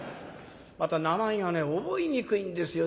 また名前がね覚えにくいんですよ。